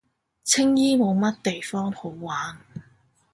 青衣冇乜地方好玩